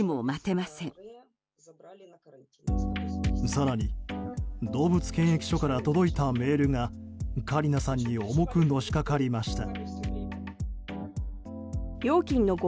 更に、動物検疫所から届いたメールがカリナさんに重くのしかかりました。